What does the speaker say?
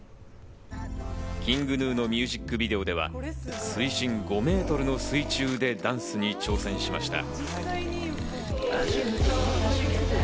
ＫｉｎｇＧｎｕのミュージックビデオでは水深５メートルの水中でダンスに挑戦しました。